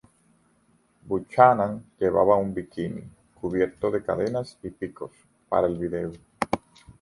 Buchanan llevaba un bikini, cubierto de cadenas y picos, para el video.